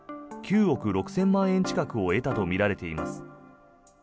９億６０００万円近くを得たとみられています。